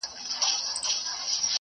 تدريس د ټولګي فضا ته اړتيا لري.